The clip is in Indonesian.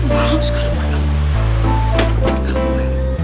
malam sekali malam